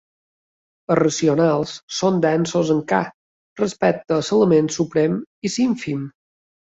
Els racionals són densos en "K" respecte a l'element suprem i l'ínfim.